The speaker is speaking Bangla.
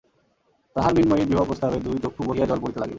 তাহার মৃন্ময়ীর বিবাহপ্রস্তাবে দুই চক্ষু বহিয়া জল পড়িতে লাগিল।